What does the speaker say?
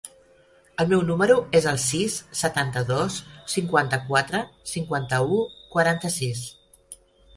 El meu número es el sis, setanta-dos, cinquanta-quatre, cinquanta-u, quaranta-sis.